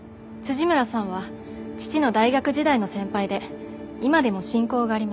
村さんは父の大学時代の先輩で今でも親交があります。